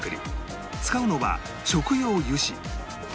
使うのは食用油脂